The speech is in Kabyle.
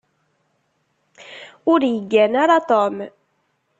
Ur yeggan ara Tom.